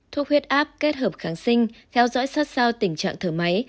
thuốc huyết áp kết hợp kháng sinh theo dõi sát sao tình trạng thở máy